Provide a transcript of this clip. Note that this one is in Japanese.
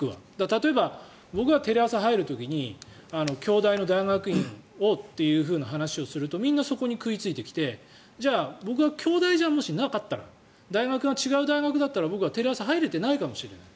例えば僕はテレ朝入る時に京大の大学院をという話をするとみんなそこに食いついてきてじゃあ、僕が京大じゃなかったら大学が違う大学だったら僕はテレ朝に入れていないかもしれない。